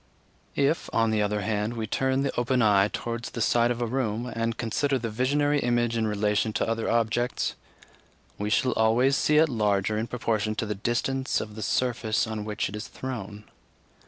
If, on the other hand, we turn the open eye towards the side of a room, and consider the visionary image in relation to other objects, we shall always see it larger in proportion to the distance of the surface on which it is thrown.